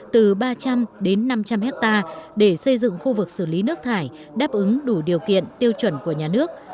từ ba trăm linh đến năm trăm linh hectare để xây dựng khu vực xử lý nước thải đáp ứng đủ điều kiện tiêu chuẩn của nhà nước